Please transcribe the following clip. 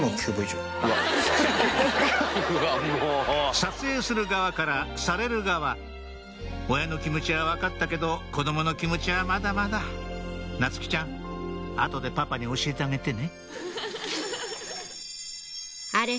撮影する側からされる側親の気持ちは分かったけど子供の気持ちはまだまだ夏希ちゃん後でパパに教えてあげてね